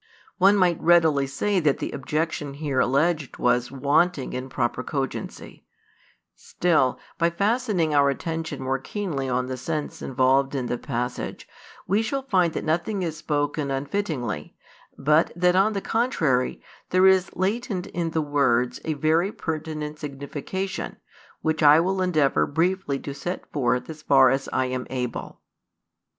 |202 One might readily say that the objection here alleged was wanting in proper cogency: still, by fastening our attention more keenly on the sense involved in the passage, we shall find that nothing is spoken unfittingly, but that on the contrary there is latent in the words a very pertinent signification, which I will endeavour briefly to set forth as far as I am able.